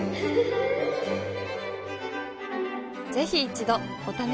ぜひ一度お試しを。